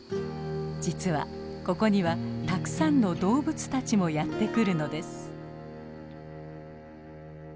実はここにはたくさんの動物たちもやって来るのです。